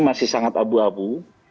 masih sangat abu abu